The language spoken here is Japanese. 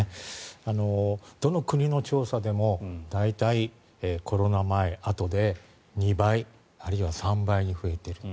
どの国の調査でも大体コロナ前、あとで２倍あるいは３倍に増えている。